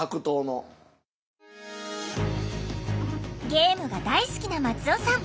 ゲームが大好きな松尾さん。